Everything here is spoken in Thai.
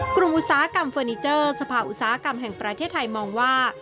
อุตสาหกรรมเฟอร์นิเจอร์สภาอุตสาหกรรมแห่งประเทศไทยมองว่า